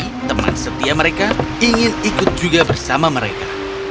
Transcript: tapi teman setia mereka ingin ikut juga bersama mereka